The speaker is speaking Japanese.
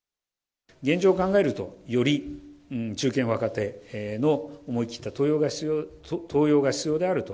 現状考えると、より中堅・若手の思い切った登用が必要であると。